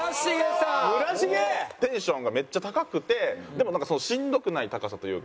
テンションがめっちゃ高くてでもなんかしんどくない高さというか。